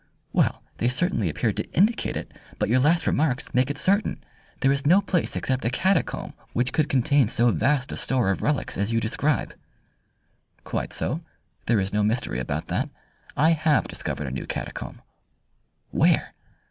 "Well, they certainly appeared to indicate it, but your last remarks make it certain. There is no place except a catacomb which could contain so vast a store of relics as you describe." "Quite so. There is no mystery about that. I have discovered a new catacomb." "Where?"